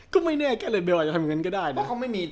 ก็ไม่แน่ก็เลยเบลอาจจะทำอย่างนั้นก็ได้นะ